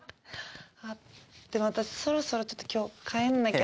あっでも私そろそろちょっと今日帰んなきゃ。